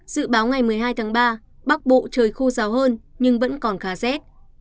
dự báo ngày một mươi hai tháng ba bắc bộ trời khô ráo hơn nhưng vẫn còn khá rét